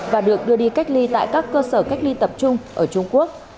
và được đưa đi cách ly tại các cơ sở cách ly tập trung ở trung quốc